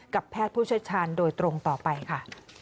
กับแพทย์ผู้ช่วยชาญโดยตรงต่อไปค่ะ